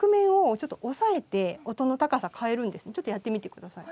ちょっとやってみて下さい。